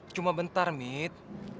cuma bentar mit